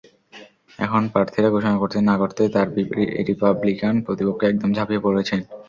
এখন প্রার্থিতা ঘোষণা করতে না-করতেই তাঁর রিপাবলিকান প্রতিপক্ষ একদম ঝাঁপিয়ে পড়েছেন।